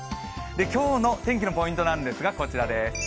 今日の天気のポイントはこちらです。